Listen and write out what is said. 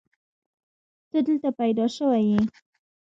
ته دلته پيدا شوې يې.